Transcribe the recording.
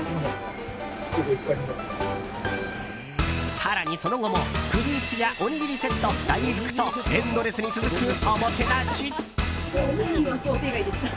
更にその後もフルーツやおにぎりセット、大福とエンドレスに続くおもてなし。